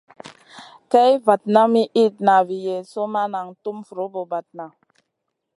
Kay mi vatna mi itna vi Yezu ma nan tum vun bra-bradna.